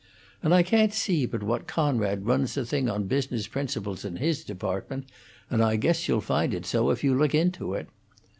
And I can't see but what Conrad runs the thing on business principles in his department, and I guess you'll find it so if you look into it.